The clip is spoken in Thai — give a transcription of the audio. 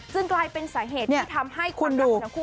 ซึ่งกลายเป็นสาเหตุที่ทำให้ความรักของทั้งคู่